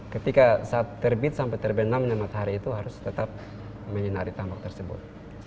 ketika saat terbit sampai terbit enam nya matahari itu harus tetap menyinari tampak tersebut